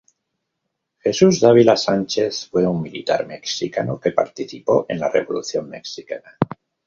Jesús Dávila Sánchez fue un militar mexicano que participó en la Revolución mexicana.